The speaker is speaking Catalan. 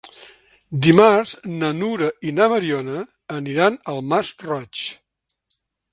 Dimarts na Nura i na Mariona aniran al Masroig.